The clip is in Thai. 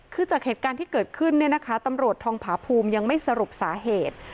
คือจากเหตุการณ์ที่เกิดขึ้นเนี่ยนะคะตำรวจทองผาภูมิยังไม่สรุปสาเหตุ